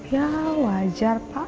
ya wajar pak